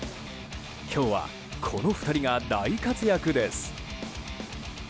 今日は、この２人が大活躍です。